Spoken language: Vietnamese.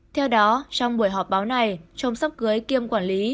theo đó trong buổi họp báo này chồng sắp cưới kiêm quản lý